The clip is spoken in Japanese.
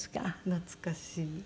懐かしい。